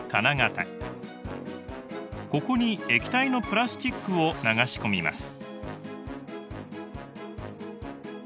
ここに液体のプラスチックを流し込みます。